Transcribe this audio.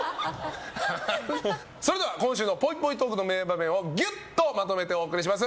それでは今週のぽいぽいトークの名場面をギュッとまとめてお送りします。